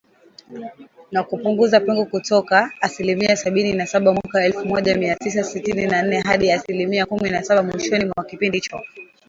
Na kupunguza pengo kutoka asilimia sabini na saba mwaka elfu moja mia tisa sitini na nne hadi asilimia kumi na saba mwishoni mwa kipindi hicho